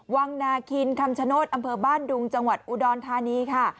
วังนาคินคำชโนธอำเภอบ้านดุงจังหวัดอุดรธานีค่ะ